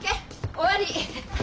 終わり！